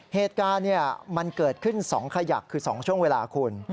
เหตุการณ์มันเกิดขึ้น๒ขยักคือ๒ช่วงเวลาคุณ